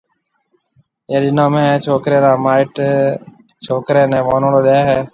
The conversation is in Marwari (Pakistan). ايئيَ ڏنون ۾ ڇوڪرَي را مِٽ مائيٽ ڇوڪرَي نيَ ونوݪو ڏَي ھيََََ